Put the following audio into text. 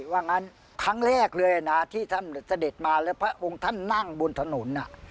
ว่างั้นครั้งแรกเลยนะที่ท่านเสด็จมาแล้วพระองค์ท่านนั่งบนถนน